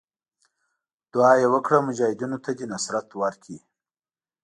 دعا یې وکړه مجاهدینو ته دې نصرت ورکړي.